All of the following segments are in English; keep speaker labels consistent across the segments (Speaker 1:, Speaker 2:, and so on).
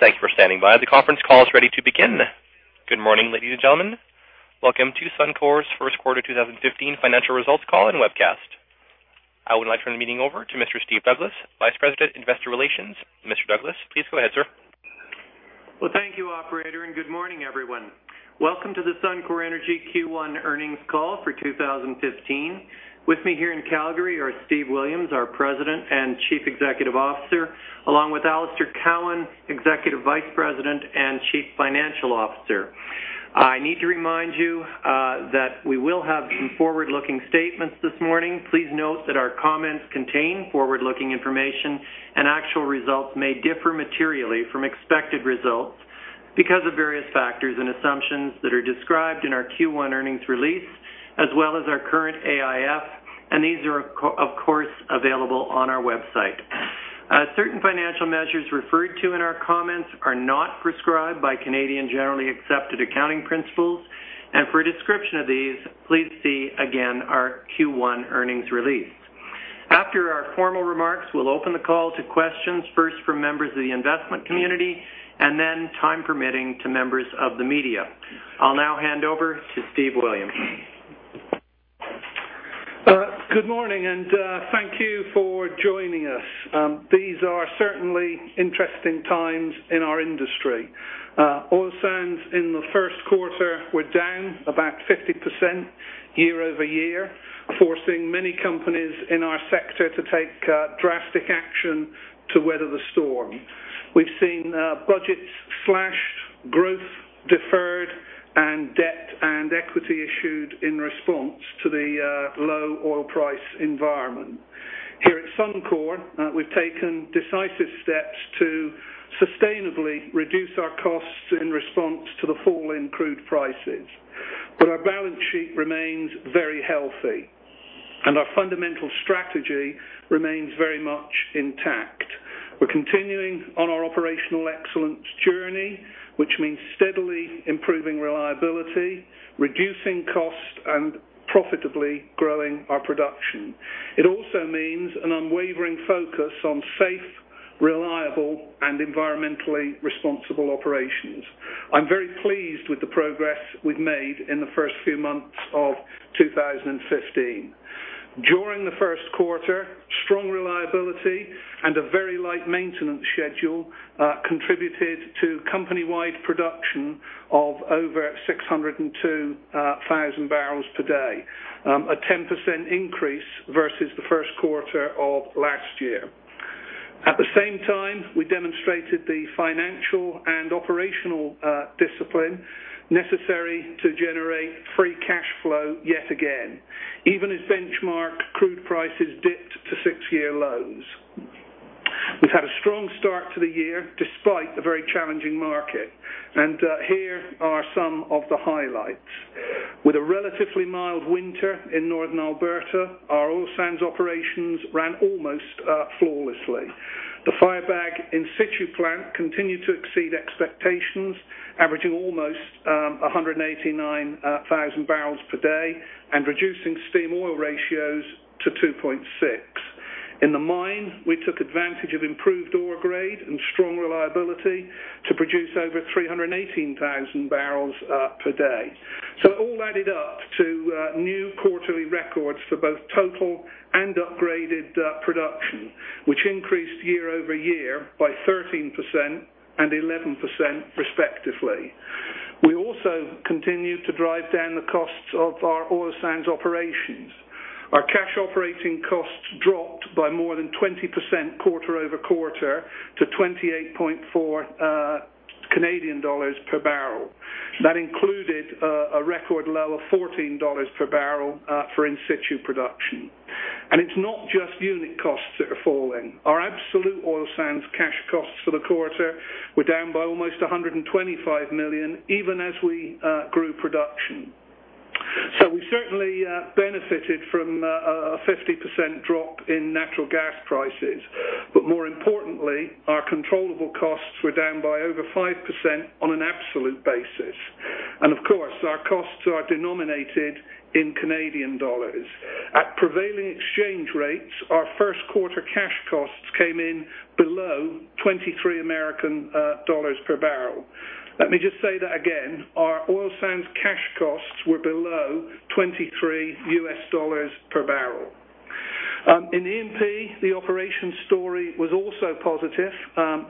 Speaker 1: Thank you for standing by. The conference call is ready to begin. Good morning, ladies and gentlemen. Welcome to Suncor's First Quarter 2015 Financial Results Call and webcast. I would like to turn the meeting over to Mr. Steve Douglas, Vice President, Investor Relations. Mr. Douglas, please go ahead, sir.
Speaker 2: Well, thank you operator, and good morning everyone. Welcome to the Suncor Energy Q1 earnings call for 2015. With me here in Calgary are Steve Williams, our President and Chief Executive Officer, along with Alister Cowan, Executive Vice President and Chief Financial Officer. I need to remind you that we will have some forward-looking statements this morning. Please note that our comments contain forward-looking information. Actual results may differ materially from expected results because of various factors and assumptions that are described in our Q1 earnings release, as well as our current AIF. These are of course available on our website. Certain financial measures referred to in our comments are not prescribed by Canadian generally accepted accounting principles. For a description of these, please see, again, our Q1 earnings release. After our formal remarks, we'll open the call to questions, first from members of the investment community and then, time permitting, to members of the media. I'll now hand over to Steve Williams.
Speaker 3: Good morning, and thank you for joining us. These are certainly interesting times in our industry. Oil sands in the first quarter were down about 50% year-over-year, forcing many companies in our sector to take drastic action to weather the storm. We've seen budgets slashed, growth deferred, and debt and equity issued in response to the low oil price environment. Here at Suncor, we've taken decisive steps to sustainably reduce our costs in response to the fall in crude prices. Our balance sheet remains very healthy. Our fundamental strategy remains very much intact. We're continuing on our operational excellence journey, which means steadily improving reliability, reducing costs, and profitably growing our production. It also means an unwavering focus on safe, reliable, and environmentally responsible operations. I'm very pleased with the progress we've made in the first few months of 2015. During the first quarter, strong reliability and a very light maintenance schedule contributed to company-wide production of over 602,000 barrels per day, a 10% increase versus the first quarter of last year. At the same time, we demonstrated the financial and operational discipline necessary to generate free cash flow yet again, even as benchmark crude prices dipped to six-year lows. We've had a strong start to the year, despite the very challenging market, here are some of the highlights. With a relatively mild winter in Northern Alberta, our oil sands operations ran almost flawlessly. The Firebag in situ plant continued to exceed expectations, averaging almost 189,000 barrels per day and reducing steam oil ratios to 2.6. In the mine, we took advantage of improved ore grade and strong reliability to produce over 318,000 barrels per day. It all added up to new quarterly records for both total and upgraded production, which increased year-over-year by 13% and 11% respectively. We also continued to drive down the costs of our oil sands operations. Our cash operating costs dropped by more than 20% quarter-over-quarter to 28.4 Canadian dollars per barrel. That included a record low of 14 dollars per barrel for in situ production. It's not just unit costs that are falling. Our absolute oil sands cash costs for the quarter were down by almost 125 million, even as we grew production. We certainly benefited from a 50% drop in natural gas prices. More importantly, our controllable costs were down by over 5% on an absolute basis. Our costs are denominated in Canadian dollars. At prevailing exchange rates, our first quarter cash costs came in below $23 per barrel. Let me just say that again. Our oil sands cash costs were below $23 per barrel. In the E&P, the operation story was also positive.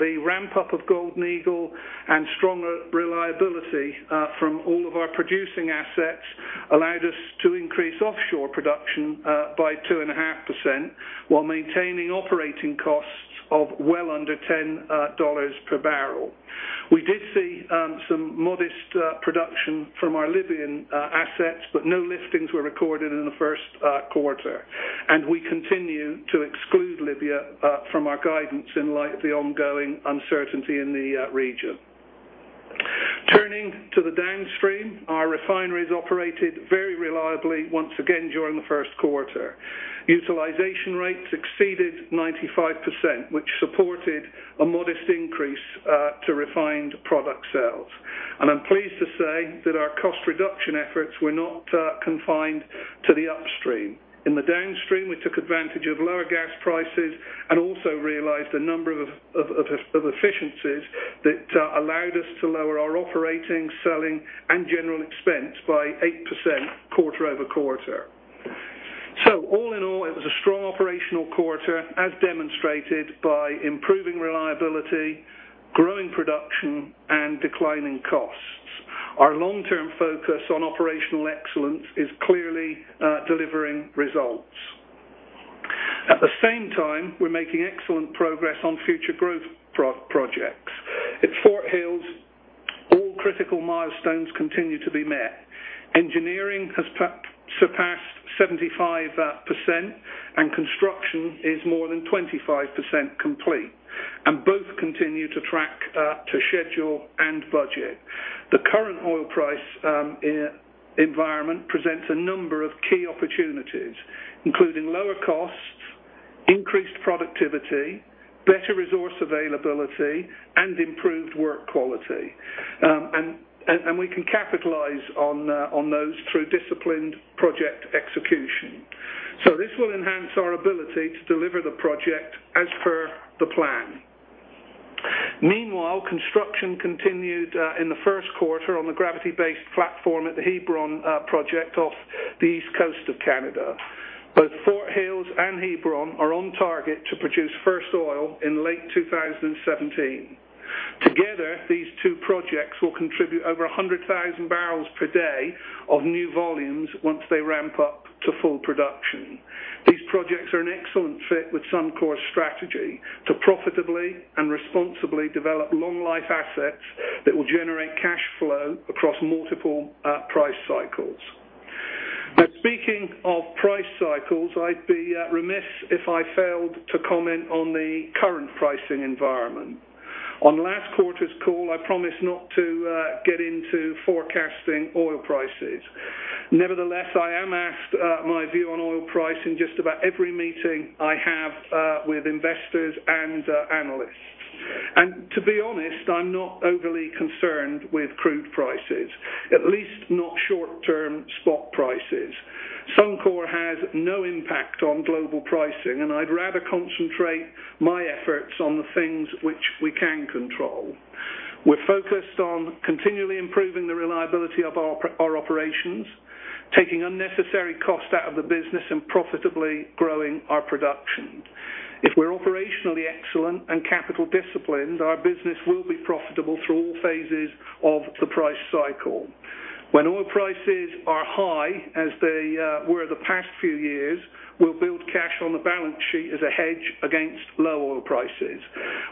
Speaker 3: The ramp up of Golden Eagle and stronger reliability from all of our producing assets allowed us to increase offshore production by 2.5% while maintaining operating costs of well under 10 dollars per barrel. We did see some modest production from our Libyan assets, but no liftings were recorded in the first quarter, we continue to exclude Libya from our guidance in light of the ongoing uncertainty in the region. Turning to the downstream, our refineries operated very reliably once again during the first quarter. Utilization rates exceeded 95%, which supported a modest increase to refined product sales. I'm pleased to say that our cost reduction efforts were not confined to the upstream. In the downstream, we took advantage of lower gas prices and also realized a number of efficiencies that allowed us to lower our operating, selling, and general expense by 8% quarter-over-quarter. All in all, it was a strong operational quarter, as demonstrated by improving reliability, growing production, and declining costs. Our long-term focus on operational excellence is clearly delivering results. At the same time, we're making excellent progress on future growth projects. At Fort Hills, all critical milestones continue to be met. Engineering has surpassed 75% and construction is more than 25% complete, both continue to track to schedule and budget. The current oil price environment presents a number of key opportunities, including lower costs, increased productivity, better resource availability, and improved work quality. We can capitalize on those through disciplined project execution. This will enhance our ability to deliver the project as per the plan. Meanwhile, construction continued in the first quarter on the gravity-based platform at the Hebron Project off the east coast of Canada. Both Fort Hills and Hebron are on target to produce first oil in late 2017. Together, these two projects will contribute over 100,000 bpd of new volumes once they ramp up to full production. These projects are an excellent fit with Suncor's strategy to profitably and responsibly develop long-life assets that will generate cash flow across multiple price cycles. Speaking of price cycles, I'd be remiss if I failed to comment on the current pricing environment. On last quarter's call, I promised not to get into forecasting oil prices. Nevertheless, I am asked my view on oil pricing just about every meeting I have with investors and analysts. To be honest, I'm not overly concerned with crude prices, at least not short-term spot prices. Suncor has no impact on global pricing, and I'd rather concentrate my efforts on the things which we can control. We're focused on continually improving the reliability of our operations, taking unnecessary costs out of the business, and profitably growing our production. If we're operationally excellent and capital disciplined, our business will be profitable through all phases of the price cycle. When oil prices are high, as they were the past few years, we'll build cash on the balance sheet as a hedge against low oil prices.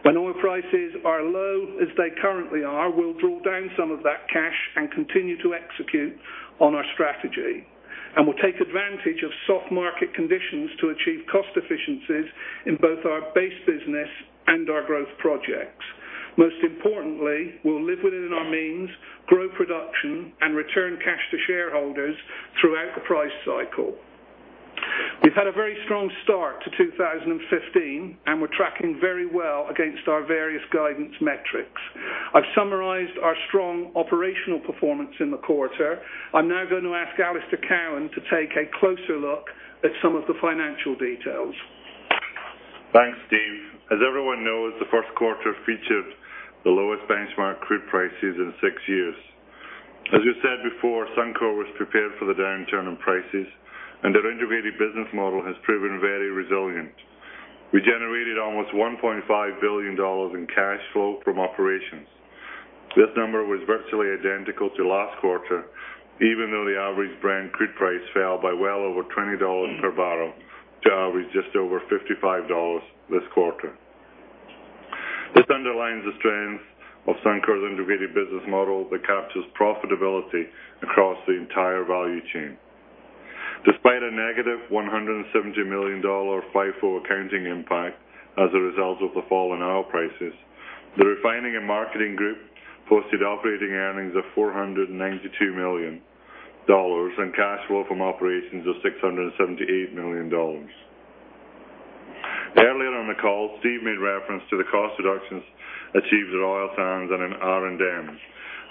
Speaker 3: When oil prices are low, as they currently are, we'll draw down some of that cash and continue to execute on our strategy. We'll take advantage of soft market conditions to achieve cost efficiencies in both our base business and our growth projects. Most importantly, we'll live within our means, grow production, and return cash to shareholders throughout the price cycle. We've had a very strong start to 2015, and we're tracking very well against our various guidance metrics. I've summarized our strong operational performance in the quarter. I'm now going to ask Alister Cowan to take a closer look at some of the financial details.
Speaker 4: Thanks, Steve. As everyone knows, the first quarter featured the lowest benchmark crude prices in six years. As you said before, Suncor was prepared for the downturn in prices, our integrated business model has proven very resilient. We generated almost 1.5 billion dollars in cash flow from operations. This number was virtually identical to last quarter, even though the average Brent crude price fell by well over 20 dollars per barrel, to average just over 55 dollars this quarter. This underlines the strength of Suncor's integrated business model that captures profitability across the entire value chain. Despite a negative 170 million dollar FIFO accounting impact as a result of the fall in oil prices, the refining and marketing group posted operating earnings of 492 million dollars and cash flow from operations of 678 million dollars. Earlier on the call, Steve made reference to the cost reductions achieved at oil sands and in R&M.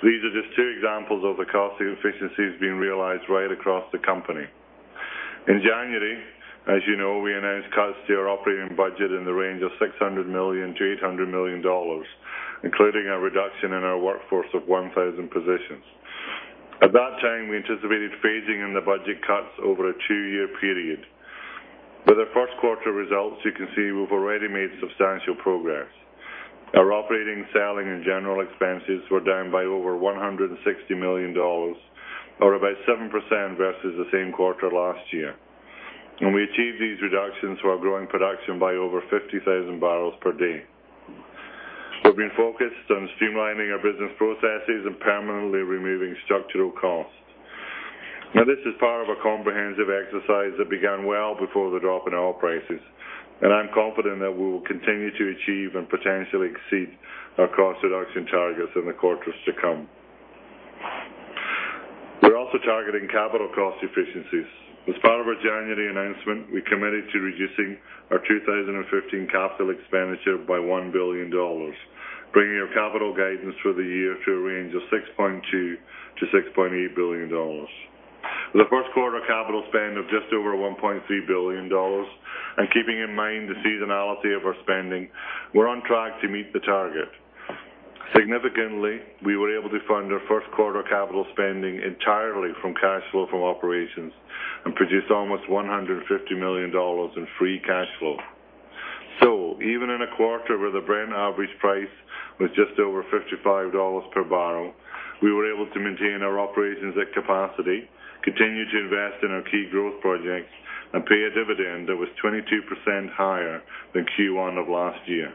Speaker 4: These are just two examples of the cost efficiencies being realized right across the company. In January, as you know, we announced cost-shared operating budget in the range of 600 million-800 million dollars, including a reduction in our workforce of 1,000 positions. At that time, we anticipated phasing in the budget cuts over a two-year period. With our first quarter results, you can see we've already made substantial progress. Our operating, selling, and general expenses were down by over 160 million dollars, or about 7% versus the same quarter last year. We achieved these reductions while growing production by over 50,000 bpd. We've been focused on streamlining our business processes and permanently removing structural costs. This is part of a comprehensive exercise that began well before the drop in oil prices, I'm confident that we will continue to achieve and potentially exceed our cost reduction targets in the quarters to come. We're also targeting capital cost efficiencies. As part of our January announcement, we committed to reducing our 2015 capital expenditure by 1 billion dollars, bringing our capital guidance for the year to a range of 6.2 billion-6.8 billion dollars. With a first quarter capital spend of just over 1.3 billion dollars, keeping in mind the seasonality of our spending, we're on track to meet the target. Significantly, we were able to fund our first quarter capital spending entirely from cash flow from operations and produce almost 150 million dollars in free cash flow. Even in a quarter where the Brent average price was just over 55 dollars per barrel, we were able to maintain our operations at capacity, continue to invest in our key growth projects, pay a dividend that was 22% higher than Q1 of last year.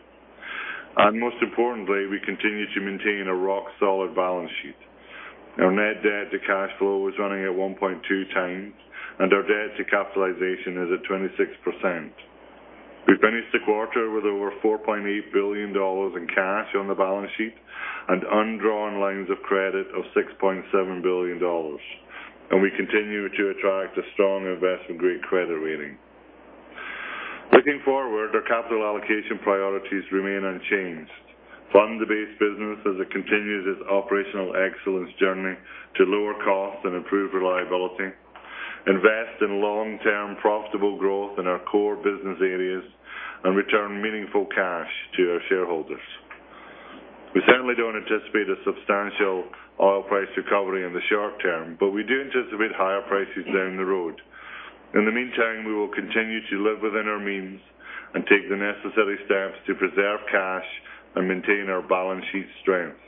Speaker 4: Most importantly, we continue to maintain a rock-solid balance sheet. Our net debt to cash flow is running at 1.2x, and our debt to capitalization is at 26%. We finished the quarter with over 4.8 billion dollars in cash on the balance sheet and undrawn lines of credit of 6.7 billion dollars. We continue to attract a strong investment-grade credit rating. Looking forward, our capital allocation priorities remain unchanged. Fund the base business as it continues its operational excellence journey to lower costs and improve reliability, invest in long-term profitable growth in our core business areas, return meaningful cash to our shareholders. We certainly don't anticipate a substantial oil price recovery in the short term, we do anticipate higher prices down the road. In the meantime, we will continue to live within our means and take the necessary steps to preserve cash and maintain our balance sheet strengths.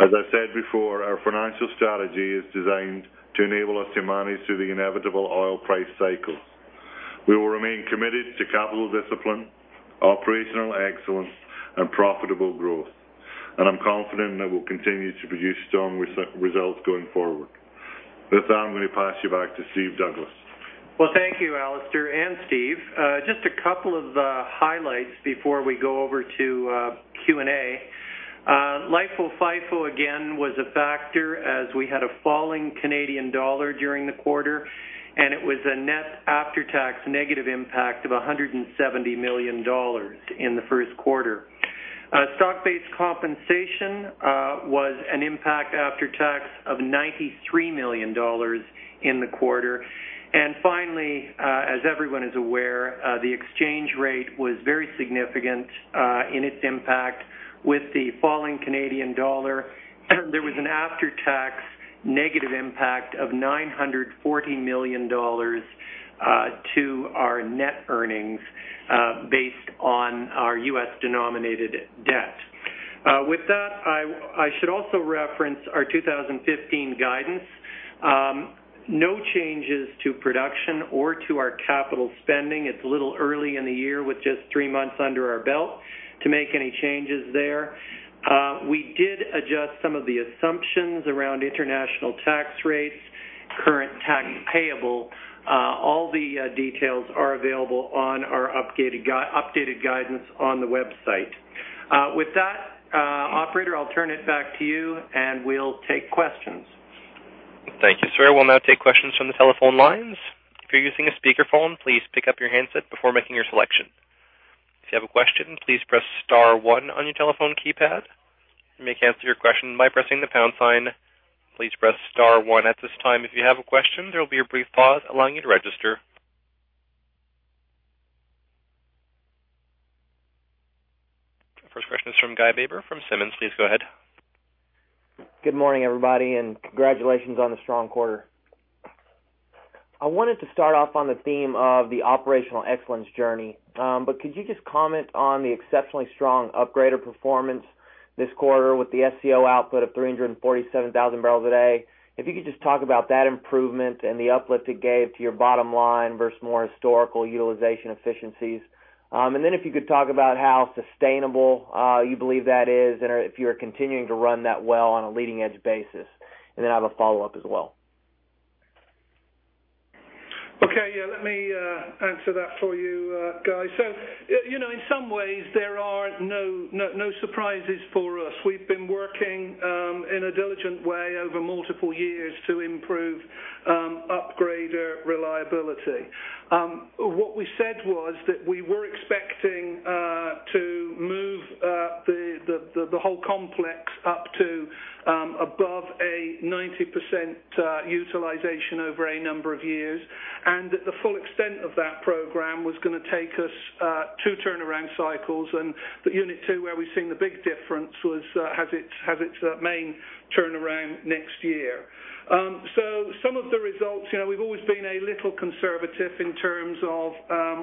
Speaker 4: As I said before, our financial strategy is designed to enable us to manage through the inevitable oil price cycles. We will remain committed to capital discipline, operational excellence and profitable growth. I'm confident that we'll continue to produce strong results going forward. With that, I'm going to pass you back to Steve Douglas.
Speaker 2: Well, thank you, Alister and Steve. Just a couple of highlights before we go over to Q&A. LIFO/FIFO again, was a factor as we had a falling Canadian dollar during the quarter, and it was a net after-tax negative impact of 170 million dollars in the first quarter. Stock-based compensation was an impact after tax of 93 million dollars in the quarter. Finally, as everyone is aware, the exchange rate was very significant in its impact with the falling Canadian dollar. There was an after-tax negative impact of $940 million to our net earnings based on our U.S.-denominated debt. I should also reference our 2015 guidance. No changes to production or to our capital spending. It's a little early in the year with just three months under our belt to make any changes there. We did adjust some of the assumptions around international tax rates, current tax payable. All the details are available on our updated guidance on the website. Operator, I'll turn it back to you, and we'll take questions.
Speaker 1: Thank you, sir. We'll now take questions from the telephone lines. If you're using a speakerphone, please pick up your handset before making your selection. If you have a question, please press star one on your telephone keypad. You may cancel your question by pressing the pound sign. Please press star one at this time if you have a question. There will be a brief pause allowing you to register. First question is from Guy Baber from Simmons. Please go ahead.
Speaker 5: Good morning, everybody, congratulations on a strong quarter. I wanted to start off on the theme of the operational excellence journey. Could you just comment on the exceptionally strong upgrader performance this quarter with the SCO output of 347,000 bpd? If you could just talk about that improvement and the uplift it gave to your bottom line versus more historical utilization efficiencies. Then if you could talk about how sustainable you believe that is and if you're continuing to run that well on a leading-edge basis, then I have a follow-up as well.
Speaker 3: Okay. Yeah, let me answer that for you, Guy. In some ways, there are no surprises for us. We've been working in a diligent way over multiple years to improve upgrader reliability. What we said was that we were expecting to move the whole complex up to above a 90% utilization over a number of years, and that the full extent of that program was going to take us two turnaround cycles. The unit two, where we've seen the big difference, has its main turnaround next year. Some of the results, we've always been a little conservative in terms of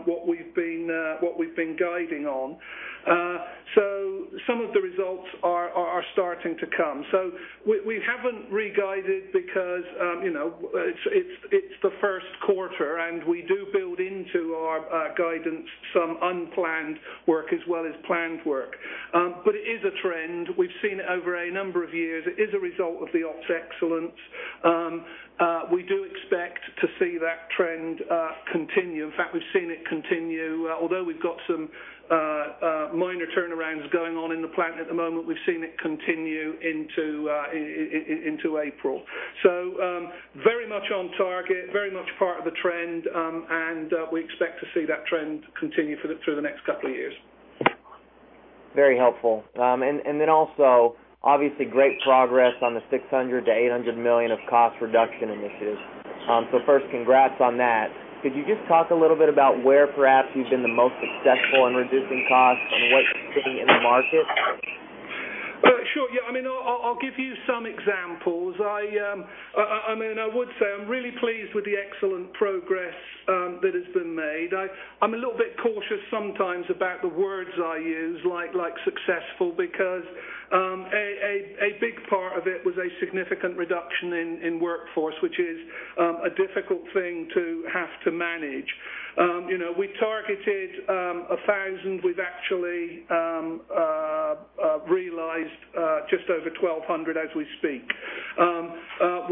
Speaker 3: what we've been guiding on. Some of the results are starting to come. We haven't re-guided because it's the first quarter, and we do build into our guidance some unplanned work as well as planned work. It is a trend. We've seen it over a number of years. It is a result of the ops excellence. We do expect to see that trend continue. In fact, we've seen it continue, although we've got some minor turnarounds going on in the plant at the moment, we've seen it continue into April. Very much on target, very much part of the trend. We expect to see that trend continue through the next couple of years.
Speaker 5: Very helpful. Also, obviously great progress on the 600 million-800 million of cost reduction initiatives. First, congrats on that. Could you just talk a little bit about where perhaps you've been the most successful in reducing costs and what's sitting in the market?
Speaker 3: Sure. I'll give you some examples. I would say I'm really pleased with the excellent progress that has been made. I'm a little bit cautious sometimes about the words I use, like successful, because a big part of it was a significant reduction in workforce, which is a difficult thing to have to manage. We targeted 1,000. We've actually realized just over 1,200 as we speak. A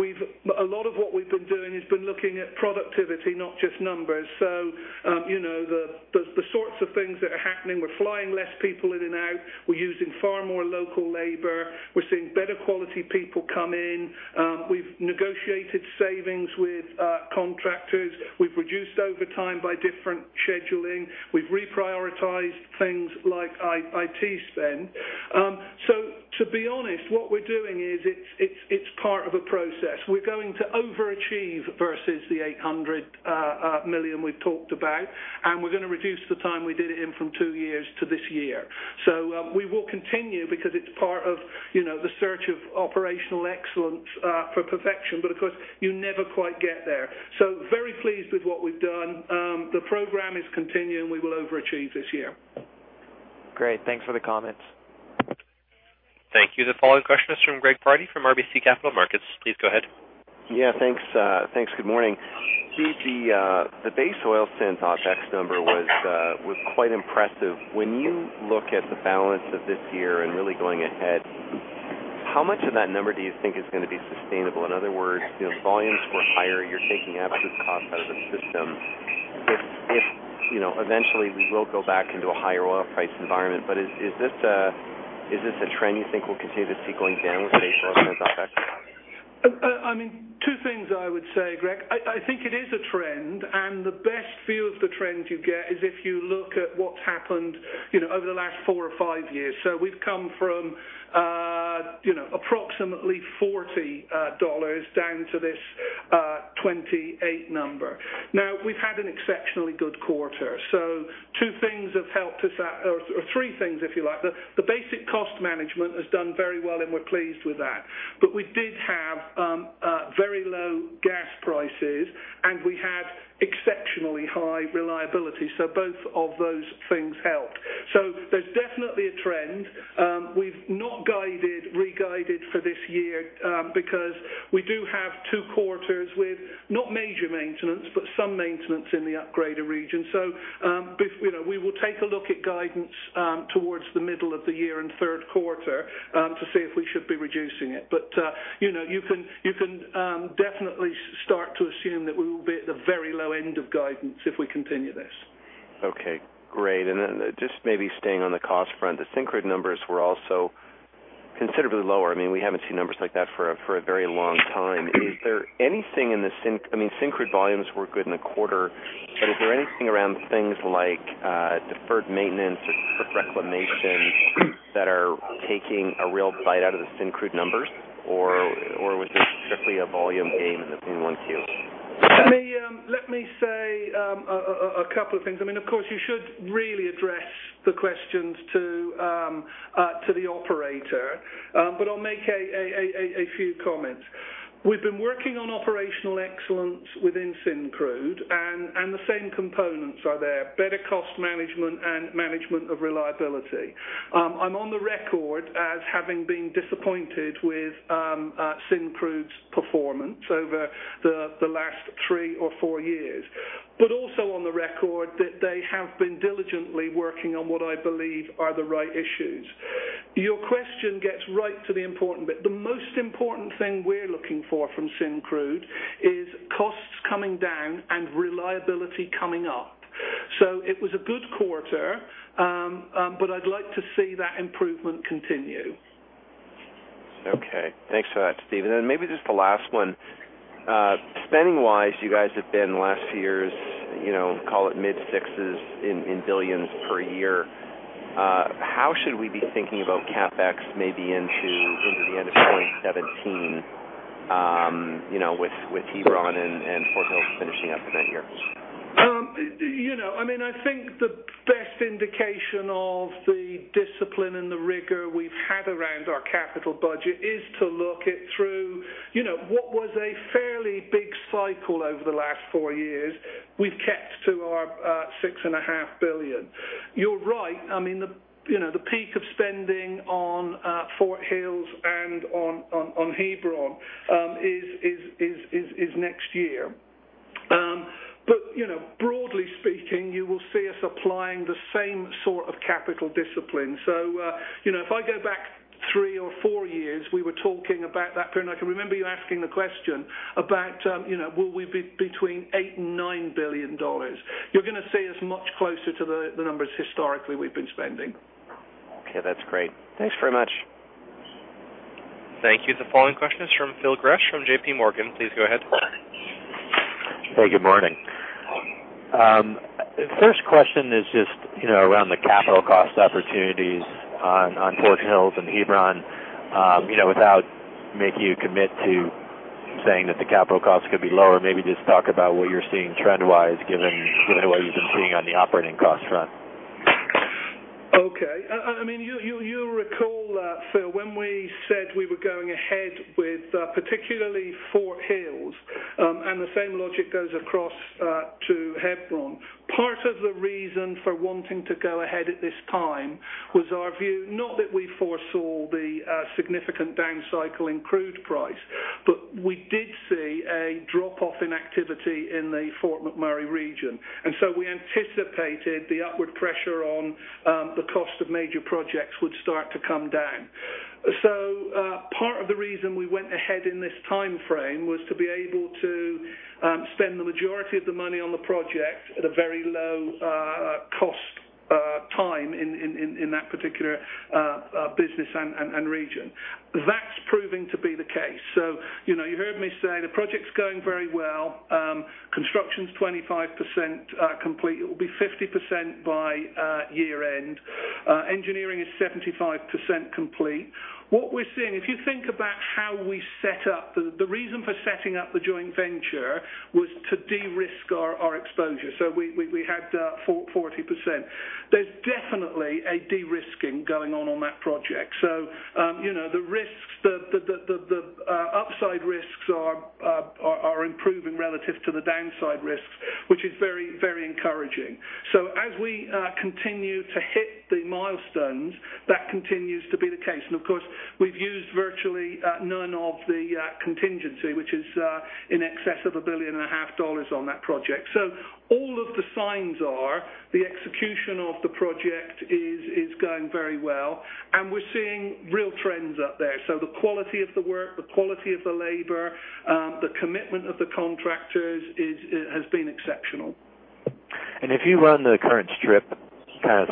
Speaker 3: lot of what we've been doing has been looking at productivity, not just numbers. The sorts of things that are happening, we're flying less people in and out. We're using far more local labor. We're seeing better quality people come in. We've negotiated savings with contractors. We've reduced overtime by different scheduling. We've reprioritized things like IT spend. To be honest, what we're doing is, it's part of a process. We're going to overachieve versus the 800 million we've talked about, and we're going to reduce the time we did it in from two years to this year. We will continue because it's part of the search of operational excellence for perfection. Of course, you never quite get there. Very pleased with what we've done. The program is continuing. We will overachieve this year.
Speaker 5: Great. Thanks for the comments.
Speaker 1: Thank you. The following question is from Greg Pardy, from RBC Capital Markets. Please go ahead.
Speaker 6: Thanks. Good morning. Steve, the Base Path synth OpEx number was quite impressive. When you look at the balance of this year and really going ahead, how much of that number do you think is going to be sustainable? Volumes were higher. You're taking absolute cost out of the system. If eventually we will go back into a higher oil price environment, but is this a trend you think we'll continue to see going forward with Base Plant synth OpEx?
Speaker 3: Two things I would say, Greg. I think it is a trend, and the best view of the trend you get is if you look at what's happened over the last four or five years. We've come from approximately 40 dollars down to this 28 number. We've had an exceptionally good quarter. Two things have helped us out, or three things, if you like. The basic cost management has done very well, and we're pleased with that. We did have very low gas prices, and we had exceptionally high reliability. Both of those things helped. There's definitely a trend. We've not re-guided for this year because we do have two quarters with not major maintenance, but some maintenance in the upgraded region. We will take a look at guidance towards the middle of the year in the third quarter to see if we should be reducing it. You can definitely start to assume that we will be at the very low end of guidance if we continue this.
Speaker 6: Okay, great. Just maybe staying on the cost front, the Syncrude numbers were also considerably lower. We haven't seen numbers like that for a very long time. Syncrude volumes were good in a quarter, but is there anything around things like deferred maintenance or reclamation that are taking a real bite out of the Syncrude numbers? Was this strictly a volume gain in the Q-on-Q?
Speaker 3: Let me say a couple of things. Of course, you should really address the questions to the operator, but I'll make a few comments. We've been working on operational excellence within Syncrude, the same components are there, better cost management and management of reliability. I'm on the record as having been disappointed with Syncrude's performance over the last three or four years. Also on the record that they have been diligently working on what I believe are the right issues. Your question gets right to the important bit. The most important thing we're looking for from Syncrude is costs coming down and reliability coming up. It was a good quarter, but I'd like to see that improvement continue.
Speaker 6: Okay. Thanks for that, Steve. Maybe just the last one. Spending-wise, you guys have been last year's, call it mid-sixes in billions per year. How should we be thinking about CapEx maybe into the end of 2017, with Hebron and Fort Hills finishing up in that year?
Speaker 3: I think the best indication of the discipline and the rigor we've had around our capital budget is to look it through what was a fairly big cycle over the last four years. We've kept to our 6.5 billion. You're right. The peak of spending on Fort Hills and on Hebron is next year. Broadly speaking, you will see us applying the same sort of capital discipline. If I go back three or four years, we were talking about that period, I can remember you asking the question about will we be between eight and 9 billion dollars. You're going to see us much closer to the numbers historically we've been spending.
Speaker 6: Okay, that's great. Thanks very much.
Speaker 1: Thank you. The following question is from Phil Gresh from JPMorgan. Please go ahead.
Speaker 7: Hey, good morning. First question is just around the capital cost opportunities on Fort Hills and Hebron. Without making you commit to saying that the capital costs could be lower, maybe just talk about what you're seeing trend-wise given what you've been seeing on the operating cost front.
Speaker 3: Okay. You'll recall, Phil, when we said we were going ahead with particularly Fort Hills, and the same logic goes across to Hebron, part of the reason for wanting to go ahead at this time was our view, not that we foresaw the significant down cycle in crude price, but we did see a drop-off in activity in the Fort McMurray region. We anticipated the upward pressure on the cost of major projects would start to come down. Part of the reason we went ahead in this timeframe was to be able to spend the majority of the money on the project at a very low cost time in that particular business and region. That's proving to be the case. You heard me say the project's going very well. Construction's 25% complete. It will be 50% by year-end. Engineering is 75% complete. What we're seeing, if you think about how we set up, the reason for setting up the joint venture was to de-risk our exposure. We had 40%. There's definitely a de-risking going on on that project. The upside risks are improving relative to the downside risks, which is very encouraging. As we continue to hit the milestones, that continues to be the case. Of course, we've used virtually none of the contingency, which is in excess of a billion and a half dollars on that project. All of the signs are the execution of the project is going very well, and we're seeing real trends up there. The quality of the work, the quality of the labor, the commitment of the contractors has been exceptional.
Speaker 7: If you run the current strip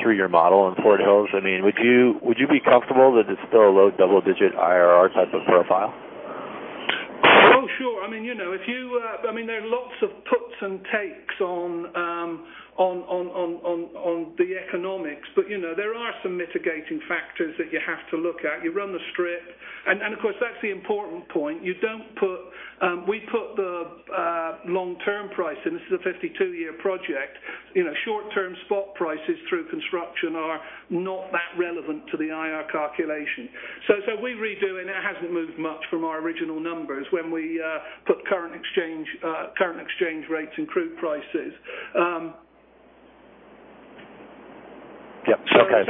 Speaker 7: through your model on Fort Hills, would you be comfortable that it's still a low double-digit IRR type of profile?
Speaker 3: Oh, sure. There are lots of puts and takes on the economics. There are some mitigating factors that you have to look at. You run the strip, and of course, that's the important point. We put the long-term price in. This is a 52-year project. Short-term spot prices through construction are not that relevant to the IR calculation. We redo, and it hasn't moved much from our original numbers when we put current exchange rates and crude prices.
Speaker 7: Yep. Okay.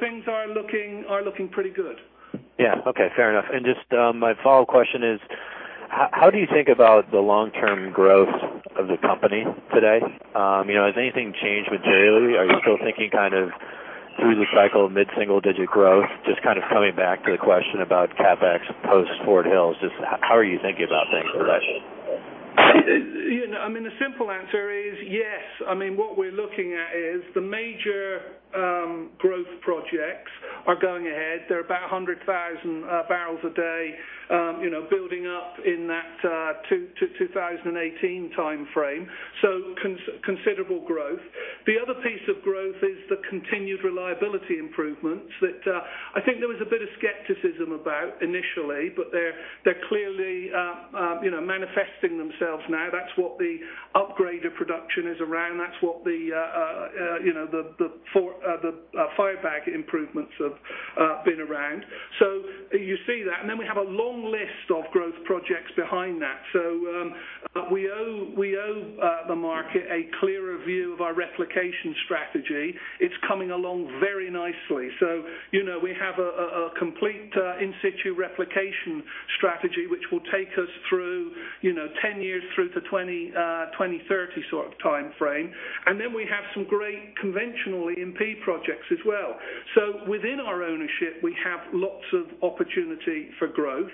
Speaker 3: Things are looking pretty good.
Speaker 7: Yeah. Okay, fair enough. Just my follow-up question is, how do you think about the long-term growth of the company today? Has anything changed with? [inaudible] Are you still thinking through the cycle, mid-single digit growth? Just coming back to the question about CapEx post Fort Hills. Just how are you thinking about things for that?
Speaker 3: The simple answer is yes. What we're looking at is the major growth projects are going ahead. They're about 100,000 bpd, building up in that 2018 timeframe. Considerable growth. The other piece of growth is the continued reliability improvements that I think there was a bit of skepticism about initially, but they're clearly manifesting themselves now. That's what the upgraded production is around. That's what the Firebag improvements have been around. You see that, then we have a long list of growth projects behind that. We owe the market a clearer view of our replication strategy. It's coming along very nicely. We have a complete in-situ replication strategy, which will take us through 10 years through to 2030 sort of timeframe. We have some great conventional E&P projects as well. Within our ownership, we have lots of opportunity for growth.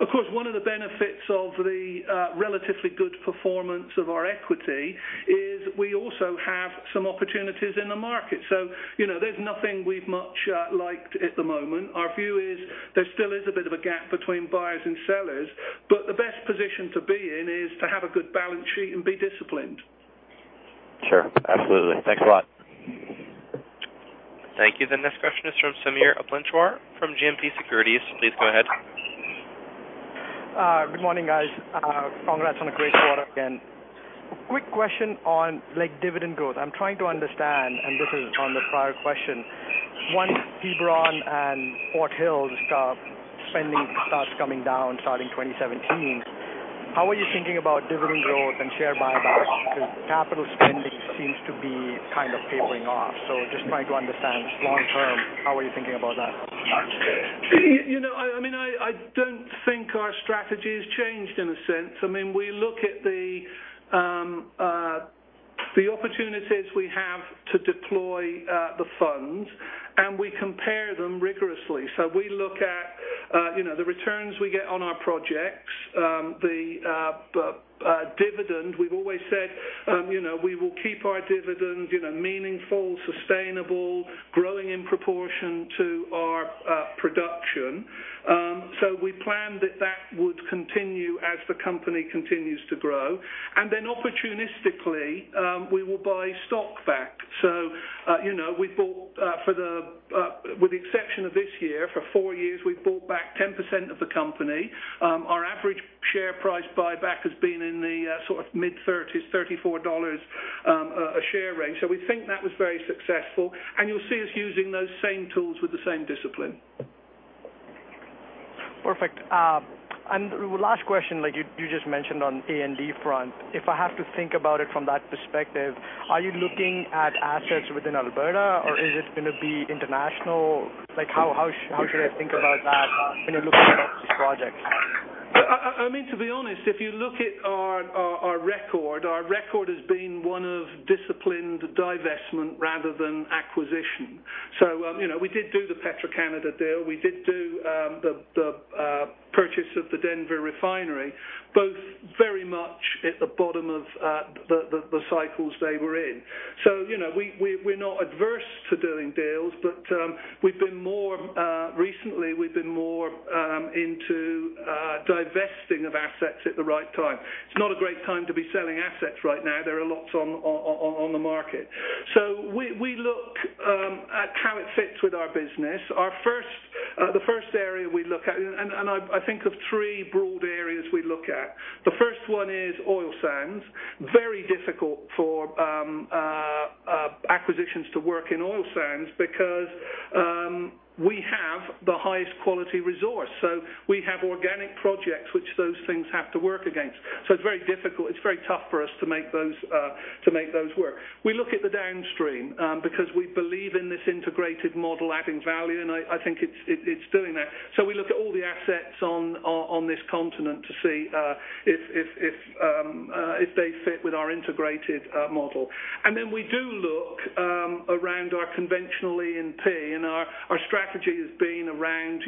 Speaker 3: Of course, one of the benefits of the relatively good performance of our equity is we also have some opportunities in the market. There's nothing we've much liked at the moment. Our view is there still is a bit of a gap between buyers and sellers, but the best position to be in is to have a good balance sheet and be disciplined.
Speaker 7: Sure. Absolutely. Thanks a lot.
Speaker 1: Thank you. The next question is from Sameer Uplenchwar from GMP Securities. Please go ahead.
Speaker 8: Good morning, guys. Congrats on a great quarter again. Quick question on dividend growth. I'm trying to understand, and this is on the prior question. Once Hebron and Fort Hills spending starts coming down starting 2017, how are you thinking about dividend growth and share buybacks? Because capital spend- could be kind of tapering off. Just trying to understand long-term, how are you thinking about that?
Speaker 3: I don't think our strategy has changed in a sense. We look at the opportunities we have to deploy the funds, and we compare them rigorously. We look at the returns we get on our projects, the dividend. We've always said we will keep our dividend meaningful, sustainable, growing in proportion to our production. We plan that would continue as the company continues to grow. Opportunistically, we will buy stock back. With the exception of this year, for four years, we've bought back 10% of the company. Our average share price buyback has been in the mid-CAD 30, 34 dollars a share range. We think that was very successful, and you'll see us using those same tools with the same discipline.
Speaker 8: Perfect. Last question, you just mentioned on A&D front, if I have to think about it from that perspective, are you looking at assets within Alberta or is it going to be international? How should I think about that when you're looking at these projects?
Speaker 3: To be honest, if you look at our record, our record has been one of disciplined divestment rather than acquisition. We did do the Petro-Canada deal. We did do the purchase of the Denver refinery, both very much at the bottom of the cycles they were in. We're not adverse to doing deals, but recently, we've been more into divesting of assets at the right time. It's not a great time to be selling assets right now. There are lots on the market. We look at how it fits with our business. The first area we look at, and I think of three broad areas we look at. The first one is oil sands. Very difficult for acquisitions to work in oil sands because we have the highest quality resource. We have organic projects which those things have to work against. It's very difficult. It's very tough for us to make those work. We look at the downstream because we believe in this integrated model adding value, and I think it's doing that. We look at all the assets on this continent to see if they fit with our integrated model. We do look around our conventional E&P, and our strategy has been around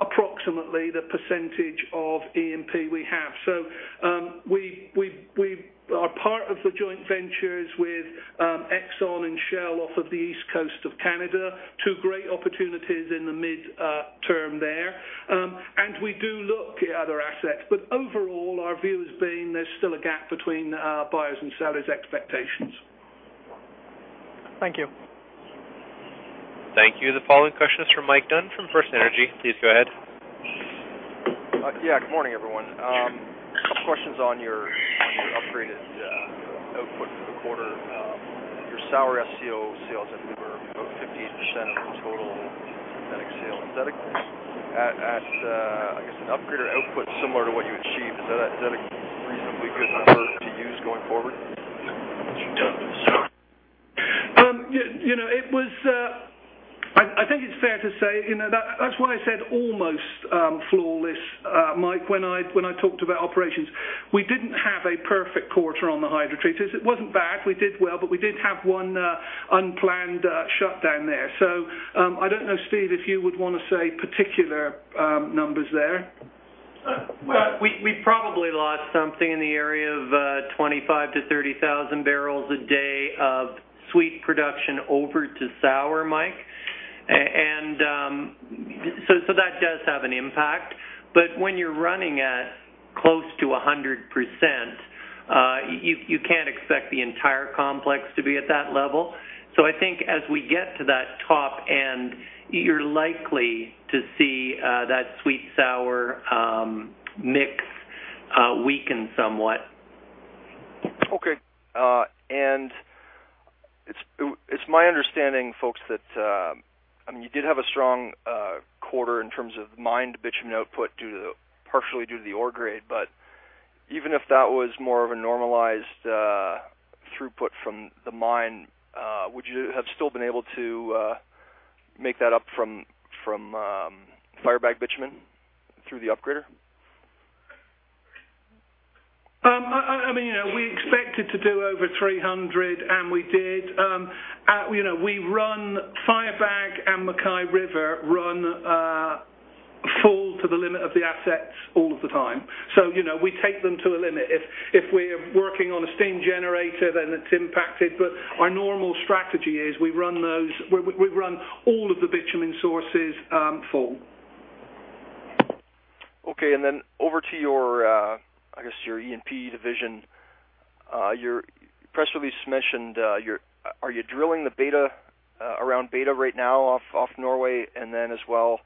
Speaker 3: approximately the percentage of E&P we have. We are part of the joint ventures with ExxonMobil and Shell off of the East Coast of Canada. Two great opportunities in the midterm there. We do look at other assets, but overall, our view has been there's still a gap between buyers' and sellers' expectations.
Speaker 8: Thank you.
Speaker 1: Thank you. The following question is from Mike Dunn from FirstEnergy. Please go ahead.
Speaker 9: Good morning, everyone. Questions on your upgraded output for the quarter. Your sour SCO sales, I believe, were about 58% of your total synthetic sales ethics. At, I guess, an upgraded output similar to what you achieved, is that a reasonably good number to use going forward?
Speaker 3: I think it's fair to say, that's why I said almost flawless, Mike, when I talked about operations. We didn't have a perfect quarter on the hydrotreaters. It wasn't bad. We did well, but we did have one unplanned shutdown there. I don't know, Steve, if you would want to say particular numbers there.
Speaker 2: We probably lost something in the area of 25,000 bpd-30,000 bpd of sweet production over to sour, Mike. That does have an impact. When you're running at close to 100%, you can't expect the entire complex to be at that level. I think as we get to that top end, you're likely to see that sweet sour mix weaken somewhat.
Speaker 9: Okay. It's my understanding, folks, that you did have a strong quarter in terms of mine bitumen output partially due to the ore grade, even if that was more of a normalized throughput from the mine, would you have still been able to make that up from Firebag bitumen through the upgrader?
Speaker 3: We expected to do over 300, and we did. Firebag and MacKay River run full to the limit of the assets all of the time. We take them to a limit. If we're working on a steam generator, then it's impacted, but our normal strategy is we run all of the bitumen sources full.
Speaker 9: Okay, over to your E&P division. Your press release mentioned, are you drilling around Beta right now off Norway? As well,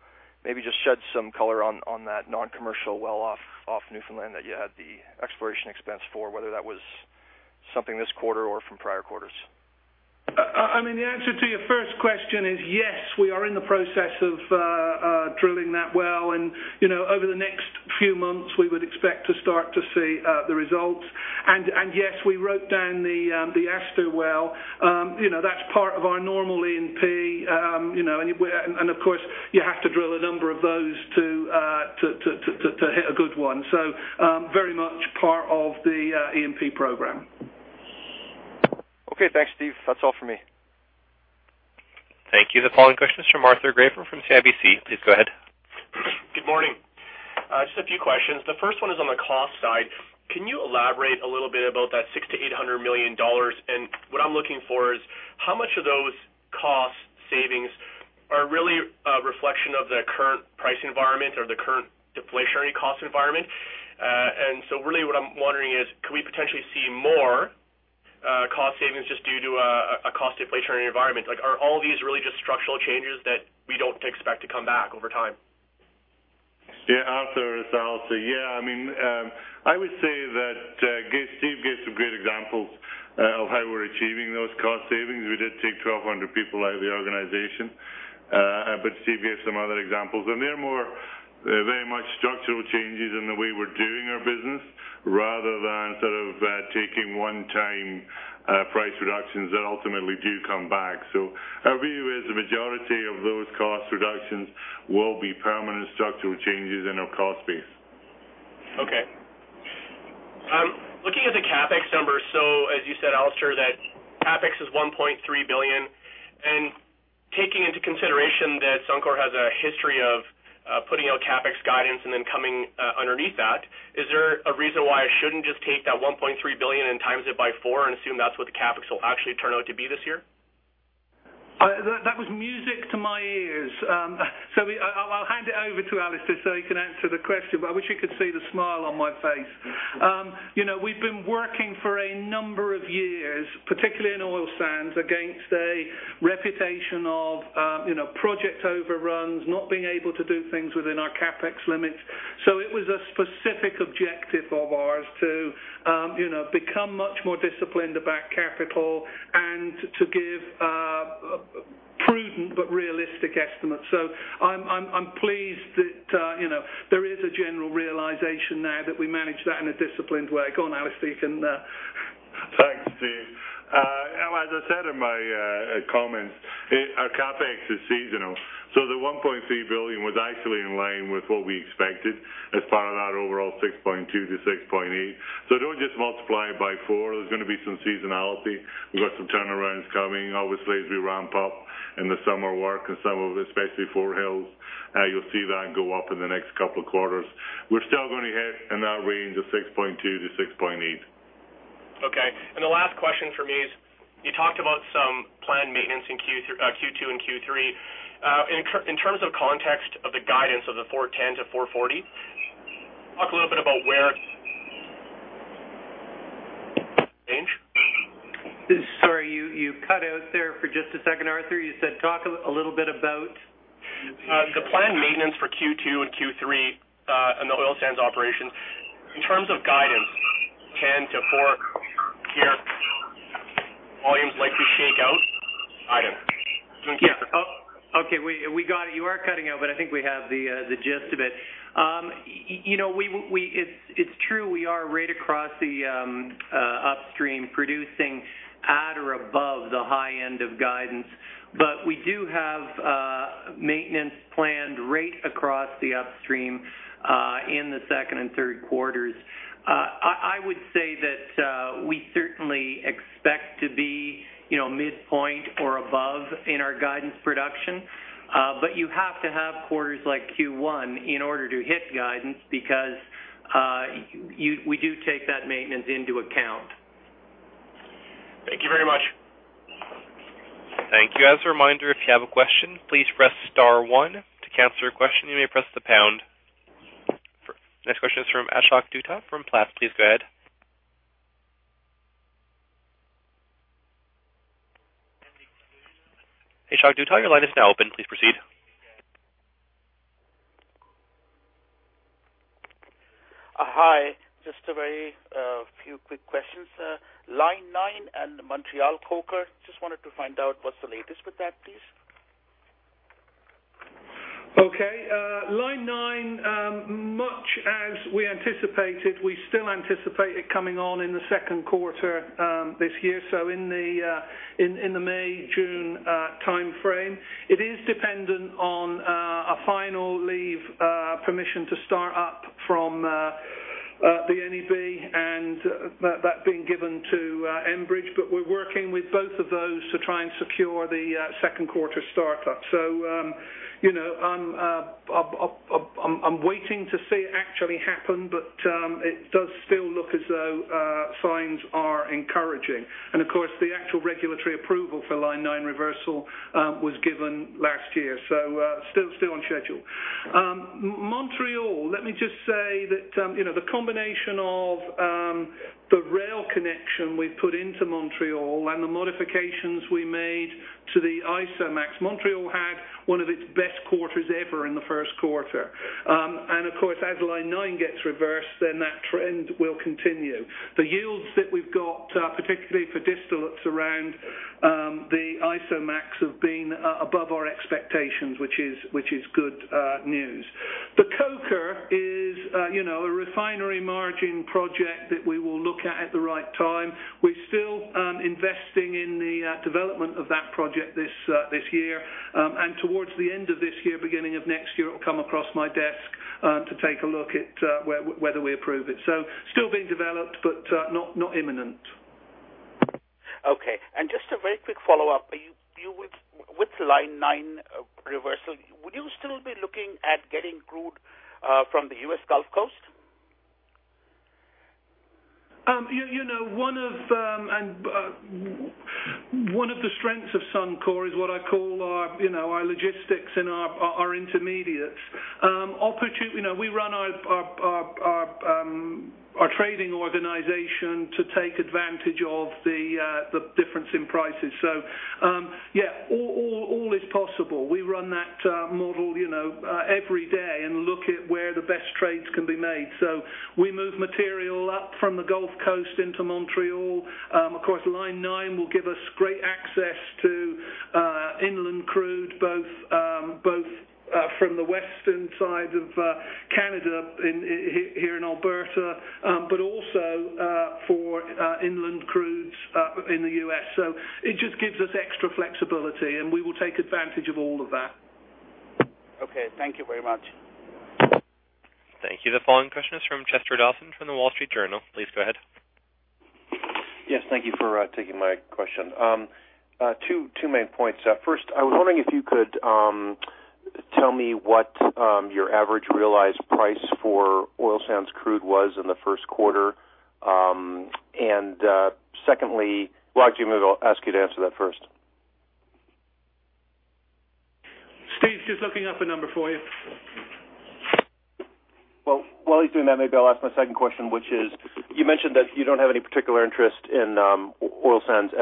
Speaker 9: maybe just shed some color on that non-commercial well off Newfoundland that you had the exploration expense for, whether that was something this quarter or from prior quarters.
Speaker 3: The answer to your first question is yes, we are in the process of drilling that well, and over the next few months, we would expect to start to see the results. Yes, we wrote down the Aster well. That's part of our normal E&P. Of course, you have to drill a number of those to hit a good one. Very much part of the E&P program.
Speaker 9: Okay. Thanks, Steve. That's all for me.
Speaker 1: Thank you. The following question is from Arthur Grayfer from CIBC. Please go ahead.
Speaker 10: Good morning. Just a few questions. The first one is on the cost side. Can you elaborate a little bit about that 600 million-800 million dollars? What I'm looking for is how much of those cost savings are really a reflection of the current price environment or the current deflationary cost environment? Really what I'm wondering is, could we potentially see more cost savings just due to a cost deflationary environment? Are all these really just structural changes that we don't expect to come back over time?
Speaker 4: Arthur, it's Alister. I would say that Steve gave some great examples of how we're achieving those cost savings. We did take 1,200 people out of the organization. Steve gave some other examples, and they're very much structural changes in the way we're doing our business rather than taking one-time price reductions that ultimately do come back. Our view is the majority of those cost reductions will be permanent structural changes in our cost base.
Speaker 10: Okay. Looking at the CapEx numbers, as you said, Alister, that CapEx is 1.3 billion. Taking into consideration that Suncor has a history of putting out CapEx guidance and then coming underneath that, is there a reason why I shouldn't just take that 1.3 billion and times it by four and assume that's what the CapEx will actually turn out to be this year?
Speaker 3: That was music to my ears. I'll hand it over to Alister so he can answer the question, but I wish you could see the smile on my face. We've been working for a number of years, particularly in oil sands, against a reputation of project overruns, not being able to do things within our CapEx limits. It was a specific objective of ours to become much more disciplined about capital and to give prudent but realistic estimates. I'm pleased that there is a general realization now that we manage that in a disciplined way. Go on, Alister, you can
Speaker 4: Thanks, Steve. As I said in my comments, our CapEx is seasonal. The 1.3 billion was actually in line with what we expected as part of that overall 6.2 billion-6.8 billion. Don't just multiply it by four. There's going to be some seasonality. We've got some turnarounds coming obviously as we ramp up in the summer work and some of, especially Fort Hills. You'll see that go up in the next couple of quarters. We're still going to hit in that range of 6.2 billion-6.8 billion.
Speaker 10: Okay. The last question from me is, you talked about some planned maintenance in Q2 and Q3. In terms of context of the guidance of the 410,000 bpd-440,000 bpd, talk a little bit about where-
Speaker 2: Sorry, you cut out there for just a second, Arthur. You said talk a little bit about?
Speaker 10: The planned maintenance for Q2 and Q3, in the oil sands operations. In terms of guidance, 410,000 bpd-440,000 bpd here, volumes like to shake out.
Speaker 2: Yeah. Okay. We got it. You are cutting out, I think we have the gist of it. It's true we are right across the upstream producing at or above the high end of guidance, we do have maintenance planned right across the upstream, in the second and third quarters. I would say that we certainly expect to be midpoint or above in our guidance production. You have to have quarters like Q1 in order to hit guidance because we do take that maintenance into account.
Speaker 10: Thank you very much.
Speaker 1: Thank you. As a reminder, if you have a question, please press star one. To cancel your question, you may press the pound. Next question is from Ashok Dutta from S&P Global Platts. Please go ahead. Ashok Dutta, your line is now open. Please proceed.
Speaker 11: Hi, just a very few quick questions. Line 9 and the Montreal coker. Just wanted to find out what's the latest with that, please.
Speaker 3: Okay. Line 9, much as we anticipated, we still anticipate it coming on in the second quarter this year, so in the May, June timeframe. It is dependent on a final leave permission to start up from the NEB and that being given to Enbridge. We're working with both of those to try and secure the second quarter startup. I'm waiting to see it actually happen, but it does still look as though signs are encouraging. Of course, the actual regulatory approval for Line 9 reversal was given last year, so still on schedule. Montreal, let me just say that the combination of the rail connection we've put into Montreal and the modifications we made to the Isomax, Montreal had one of its best quarters ever in the first quarter. Of course, as Line 9 gets reversed, then that trend will continue. The yields that we've got, particularly for distillates around the Isomax, have been above our expectations, which is good news. The coker is a refinery margin project that we will look at at the right time. We're still investing in the development of that project this year. Towards the end of this year, beginning of next year, it will come across my desk to take a look at whether we approve it. Still being developed, but not imminent.
Speaker 11: Okay. Just a very quick follow-up. With Line 9 reversal, would you still be looking at getting crude from the U.S. Gulf Coast?
Speaker 3: One of the strengths of Suncor is what I call our logistics and our intermediates. We run our trading organization to take advantage of the difference in prices. Yeah, all is possible. We run that model every day and look at where the best trades can be made. We move material up from the Gulf Coast into Montreal. Of course, Line 9 will give us great access to inland crude, both from the western side of Canada, here in Alberta, but also for inland crudes in the U.S. It just gives us extra flexibility, and we will take advantage of all of that.
Speaker 11: Okay. Thank you very much.
Speaker 1: Thank you. The following question is from Chester Dawson from The Wall Street Journal. Please go ahead.
Speaker 12: Yes, thank you for taking my question. Two main points. First, I was wondering if you could tell me what your average realized price for oil sands crude was in the first quarter. Secondly, well, actually, maybe I'll ask you to answer that first.
Speaker 3: Steve's just looking up a number for you.
Speaker 12: Well, while he's doing that, maybe I'll ask my second question, which is, you mentioned that you don't have any particular interest in oil sands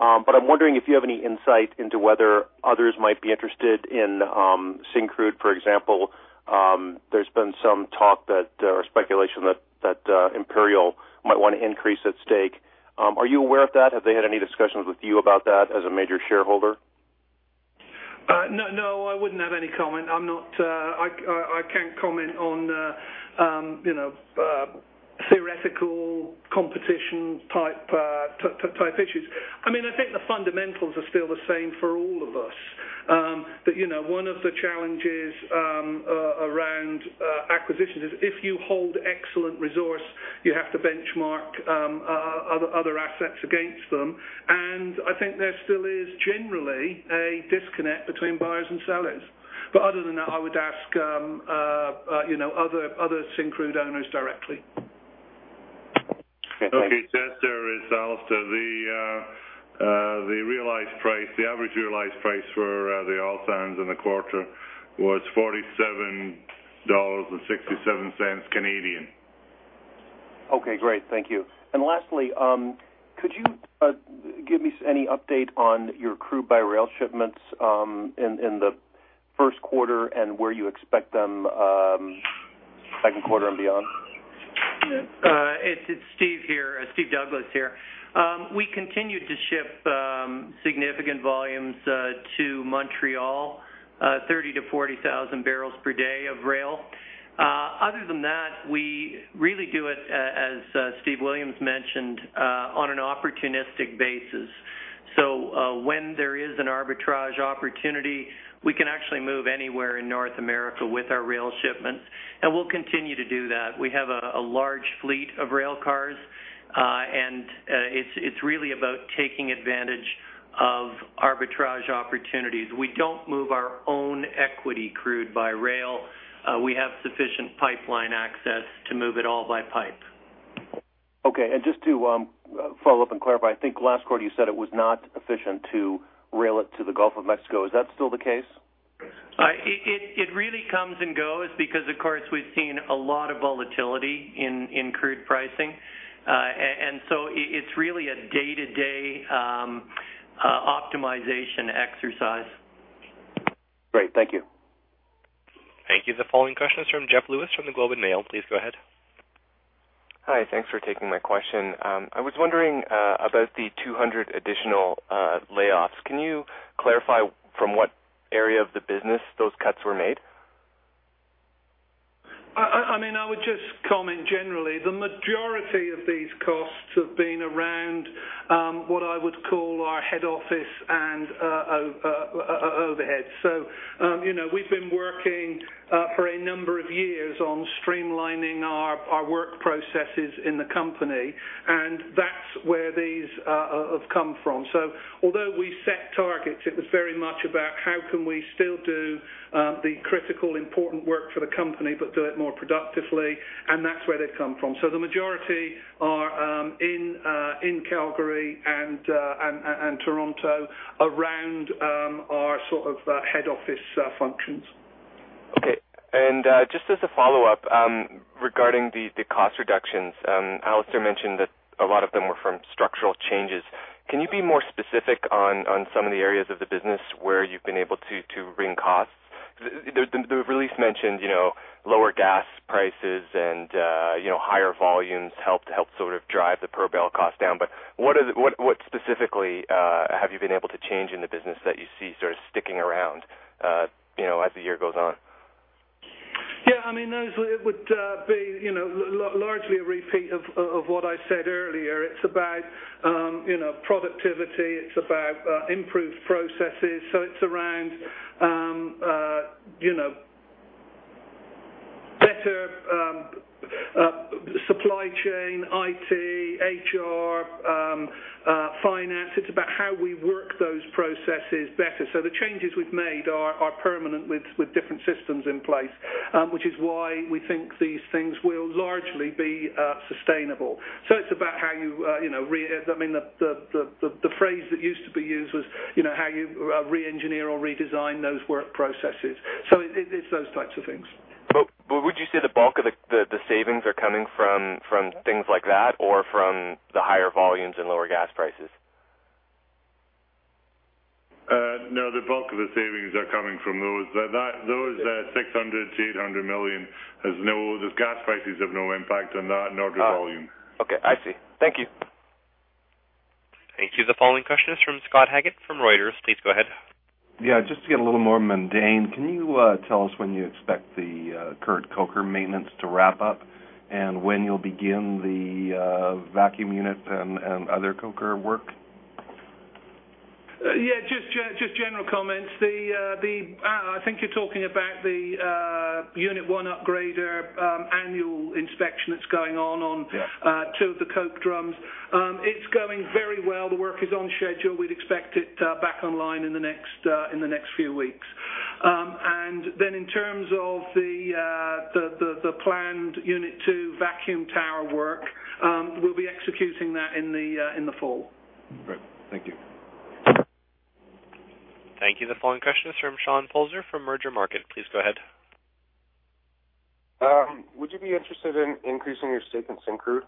Speaker 12: M&A. I'm wondering if you have any insight into whether others might be interested in Syncrude, for example. There's been some talk or speculation that Imperial might want to increase its stake. Are you aware of that? Have they had any discussions with you about that as a major shareholder?
Speaker 3: No, I wouldn't have any comment. I can't comment on theoretical competition-type issues. I think the fundamentals are still the same for all of us. One of the challenges around acquisitions is if you hold excellent resource, you have to benchmark other assets against them. I think there still is generally a disconnect between buyers and sellers. Other than that, I would ask other Syncrude owners directly.
Speaker 4: Okay. Okay. Chester, it's Alister. The average realized price for the oil sands in the quarter was 47.67 Canadian dollars.
Speaker 12: Okay, great. Thank you. Lastly, could you give me any update on your crude-by-rail shipments in the first quarter and where you expect them second quarter and beyond?
Speaker 2: It's Steve Douglas here. We continued to ship significant volumes to Montreal, 30,000 bpd-40,000 bpd of rail. Other than that, we really do it, as Steve Williams mentioned, on an opportunistic basis. When there is an arbitrage opportunity, we can actually move anywhere in North America with our rail shipments, we'll continue to do that. We have a large fleet of rail cars, it's really about taking advantage of arbitrage opportunities. We don't move our own equity crude by rail. We have sufficient pipeline access to move it all by pipe.
Speaker 12: Okay, just to follow up and clarify, I think last quarter you said it was not efficient to rail it to the Gulf of Mexico. Is that still the case?
Speaker 2: It really comes and goes because, of course, we've seen a lot of volatility in crude pricing. It's really a day-to-day optimization exercise.
Speaker 12: Great. Thank you.
Speaker 1: Thank you. The following question is from Jeff Lewis from The Globe and Mail. Please go ahead.
Speaker 13: Hi. Thanks for taking my question. I was wondering about the 200 additional layoffs. Can you clarify from what area of the business those cuts were made?
Speaker 3: I would just comment generally, the majority of these costs have been around what I would call our head office and overhead. We've been working for a number of years on streamlining our work processes in the company, and that's where these have come from. Although we set targets, it was very much about how can we still do the critical, important work for the company, but do it more productively, and that's where they've come from. The majority are in Calgary and Toronto around our head office functions.
Speaker 13: Just as a follow-up regarding the cost reductions, Alister mentioned that a lot of them were from structural changes. Can you be more specific on some of the areas of the business where you've been able to wring costs? The release mentioned lower gas prices and higher volumes helped drive the per-barrel cost down. What specifically have you been able to change in the business that you see sticking around as the year goes on?
Speaker 3: Yeah. Those would be largely a repeat of what I said earlier. It's about productivity. It's about improved processes. It's around better supply chain, IT, HR, finance. It's about how we work those processes better. The changes we've made are permanent with different systems in place, which is why we think these things will largely be sustainable. It's about how you re- I mean, the phrase that used to be used was how you re-engineer or redesign those work processes. It's those types of things.
Speaker 13: Would you say the bulk of the savings are coming from things like that or from the higher volumes and lower gas prices?
Speaker 4: No, the bulk of the savings are coming from those. That 600 million-800 million, the gas prices have no impact on that, nor does volume.
Speaker 13: Okay, I see. Thank you.
Speaker 1: Thank you. The following question is from Scott Haggett from Reuters. Please go ahead.
Speaker 14: Yeah. Just to get a little more mundane, can you tell us when you expect the current coker maintenance to wrap up and when you'll begin the vacuum unit and other coker work?
Speaker 3: Yeah, just general comments. I think you're talking about the Unit 1 upgrader annual inspection that's going on.
Speaker 14: Yeah
Speaker 3: On two of the coke drums. It's going very well. The work is on schedule. We'd expect it back online in the next few weeks. In terms of the planned Unit 2 vacuum tower work, we'll be executing that in the fall.
Speaker 14: Great. Thank you.
Speaker 1: Thank you. The following question is from Sean Pasternak from Mergermarket. Please go ahead.
Speaker 15: Would you be interested in increasing your stake in Syncrude?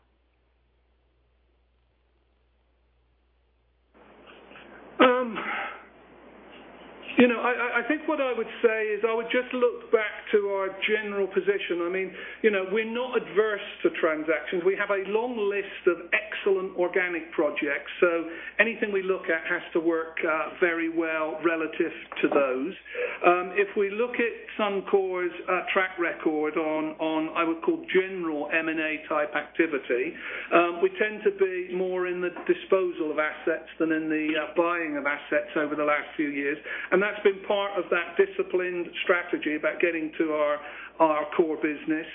Speaker 3: I think what I would say is I would just look back to our general position. We're not adverse to transactions. We have a long list of excellent organic projects. Anything we look at has to work very well relative to those. If we look at Suncor's track record on, I would call general M&A type activity, we tend to be more in the disposal of assets than in the buying of assets over the last few years, and that's been part of that disciplined strategy about getting to our core business.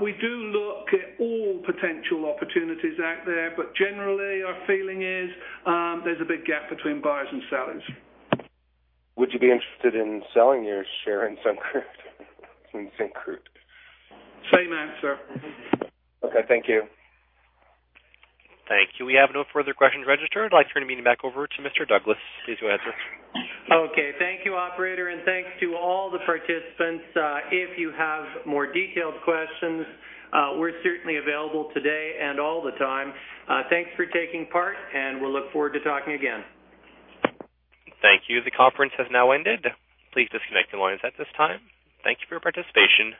Speaker 3: We do look at all potential opportunities out there, but generally our feeling is there's a big gap between buyers and sellers.
Speaker 15: Would you be interested in selling your share in Syncrude?
Speaker 3: Same answer.
Speaker 15: Okay. Thank you.
Speaker 1: Thank you. We have no further questions registered. I'd like to turn the meeting back over to Mr. Douglas. Please go ahead, sir.
Speaker 2: Okay. Thank you, operator, and thanks to all the participants. If you have more detailed questions, we're certainly available today and all the time. Thanks for taking part, and we'll look forward to talking again.
Speaker 1: Thank you. The conference has now ended. Please disconnect your lines at this time. Thank you for your participation.